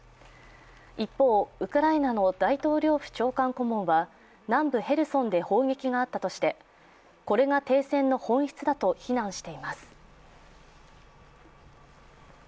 一方、ウクライナの大統領府長官顧問は南部ヘルソンで砲撃があったとしてこれが停戦の本質だと非難しています。